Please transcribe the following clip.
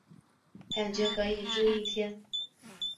感觉可以住一天